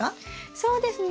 そうですね。